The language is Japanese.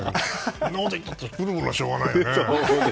そんなこといったって来るものはしょうがないよね。